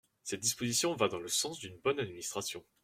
Cette disposition va dans le sens d’une bonne administration.